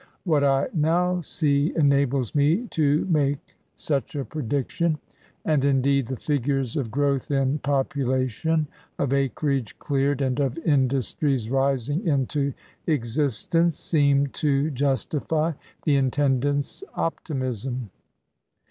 What I now see enables me to make such a prediction/' And indeed the figures of growth in population, of acreage cleared, and of industries rising into existence seemed to justify the intendant's optimism.